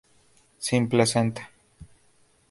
Sin placenta.